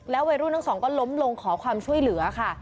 วัยรุ่นทั้งสองก็ล้มลงขอความช่วยเหลือค่ะ